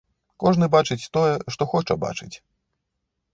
Кожны бачыць тое, што хоча бачыць.